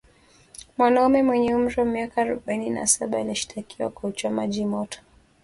Mwanamume mwenye umri wa miaka arobaini na saba aliyeshtakiwa kwa uchomaji moto